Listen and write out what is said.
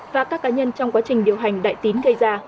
và các cá nhân trong quá trình điều hành đại tín gây ra